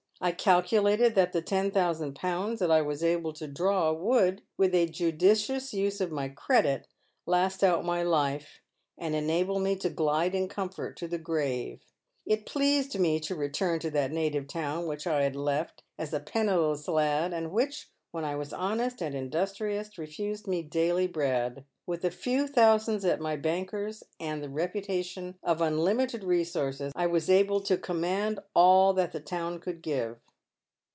I calculated that the ten thousand pounds that I was able to draw would, with a judicious use of my credit, last out my life, and enable me to glide in comfort to the gi'ave. It pleased me to return to that native town which I liad left as a penniless lad, and which, when I was honest and industrious, refused ma daily bread. With a few thousands at my banker's, and the reputation of unlimited resources, I was able to command all that the town could give.